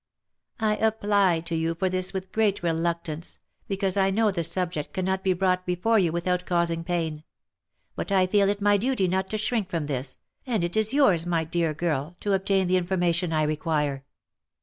I apply to you for this with great reluctance, because I know the sub OF MICHAEL ARMSTRONG. 227 ject cannot be brought before you without causing you pain. But I feel it my duty not to shrink from this, and it is yours, my dear girl, to obtain the information I require."